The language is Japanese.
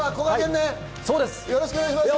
よろしくお願いします。